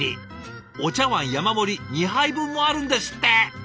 お茶わん山盛り２杯分もあるんですって！